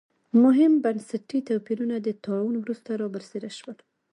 مهم بنسټي توپیرونه د طاعون وروسته را برسېره شول.